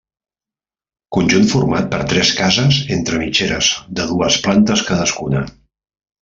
Conjunt format per tres cases entre mitgeres, de dues plantes cadascuna.